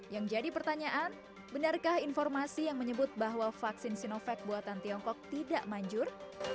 yang jadi pertanyaan benarkah informasi yang menyebut bahwa vaksin sinovac buatan tiongkok tidak manjur